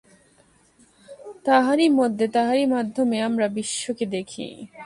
তাঁহারই মধ্যে, তাঁহারই মাধ্যমে আমরা বিশ্বকে দেখি।